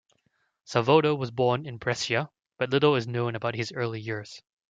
Savoldo was born in Brescia, but little is known about his early years.